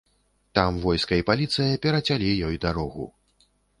Там войска і паліцыя перацялі ёй дарогу.